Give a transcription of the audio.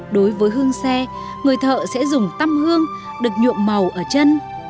đối với hương xe người thợ sẽ dùng tâm hương được nhuộm màu ở chân